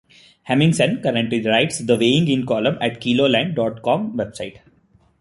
Hemmingsen currently writes the "Weighing In" column at the Keloland dot com website.